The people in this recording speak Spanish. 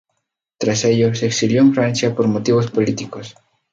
Tras ello, se exilió en Francia por motivos políticos.